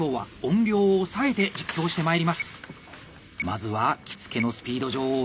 まずは「着付のスピード女王」